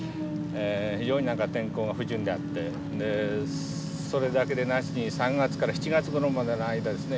非常に何か天候が不順であってそれだけでなしに３月から７月ごろまでの間ですね